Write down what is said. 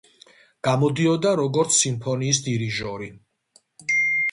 გამოდიოდა როგორც სიმფონიის დირიჟორი.